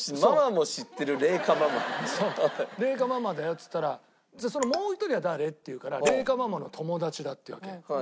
っつったら「もう１人は誰？」って言うから「麗華ママの友達だ」っていうわけ。